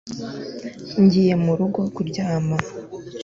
ngiye murugo kuryama